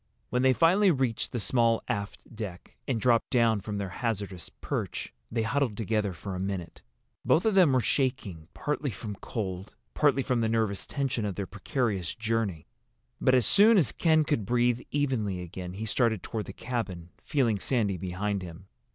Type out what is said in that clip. When they finally reached the small aft deck, and dropped down from their hazardous perch, they huddled together for a minute. Both of them were shaking, partly from cold, partly from the nervous tension of their precarious journey. But as soon as Ken could breathe evenly again he started toward the cabin, feeling Sandy behind him.